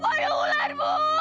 bu itu ada ular bu